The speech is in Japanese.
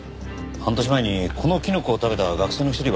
半年前にこのキノコを食べた学生の一人は助かりました。